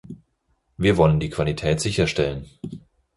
Wir wollen die Qualität sicherstellen.